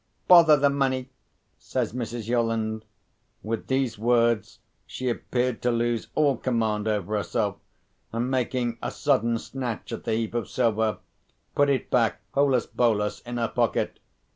"Bother the money!" says Mrs. Yolland. With these words, she appeared to lose all command over herself; and, making a sudden snatch at the heap of silver, put it back, holus bolus, in her pocket.